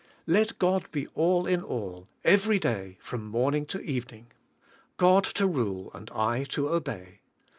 Let God be all in all every day, from morning to evening. God to rule and I to obey.